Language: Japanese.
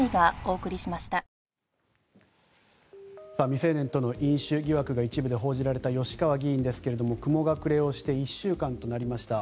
未成年との飲酒疑惑が一部報じられた吉川議員ですが雲隠れをして１週間となりました。